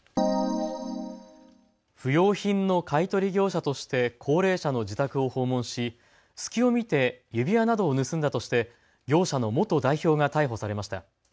不用品の買い取り業者として高齢者の自宅を訪問し隙を見て指輪などを盗んだとして業者の元代表が逮捕されました。